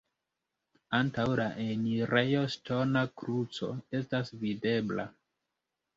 Antaŭ la enirejo ŝtona kruco estas videbla.